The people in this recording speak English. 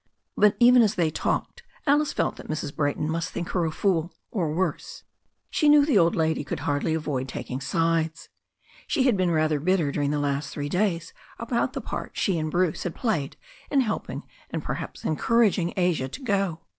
But even as they talked Alice felt that Mrs. Brayton must think her a fool, or worse. She knew the old lady could hardly avoid taking sides. She had been rather bitter dur ing the last three days about the part she and Bruce had played in helping and perhaps encouraging Asia to go.